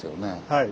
はい。